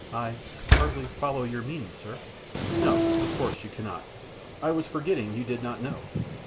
"I hardly follow your meaning, sir." "No, no, of course you cannot. I was forgetting you did not know!